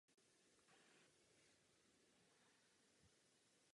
Hitler ji v následujících letech často zval na jídlo nebo do kina.